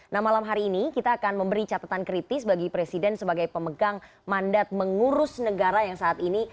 nah malam hari ini kita akan memberi catatan kritis bagi presiden sebagai pemegang mandat mengurus negara yang saat ini